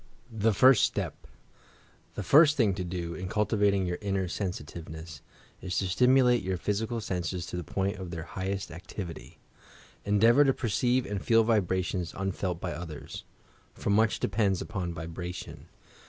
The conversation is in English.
THE FIRST STEP The first thing to do, in cultivating your inner sensi tiveness, is to stimulate your physical senses to the point of their highest activity. Endeavour to perceive and feel vibrations unfelt by others, — for much depends upon vibration.